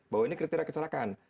bahwa ini kriteria kecelakaan